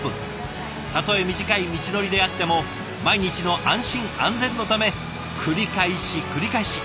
たとえ短い道のりであっても毎日の安心安全のため繰り返し繰り返し。